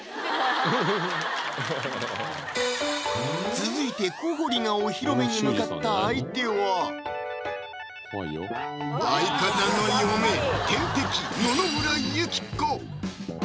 続いて小堀がお披露目に向かった相手は相方の嫁・天敵